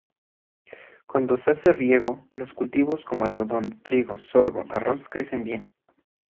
Cuando se hace riego, los cultivos como algodón, trigo, sorgo, arroz crecen bien.